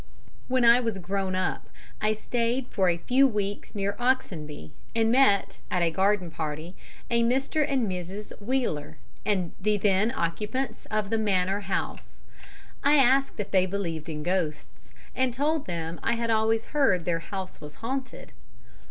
When I was grown up, I stayed for a few weeks near Oxenby, and met, at a garden party, a Mr. and Mrs. Wheeler, the then occupants of the Manor House. I asked if they believed in ghosts, and told them I had always heard their house was haunted.